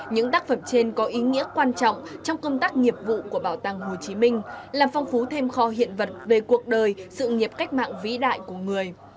những tác phẩm trên có ý nghĩa quan trọng trong công tác nghiệp vụ của bảo tàng hồ chí minh làm phong phú thêm kho hiện vật về cuộc đời sự nghiệp cách mạng vĩ đại của người